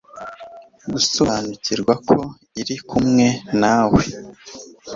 gusobanukirwa ko iri kumwe nawe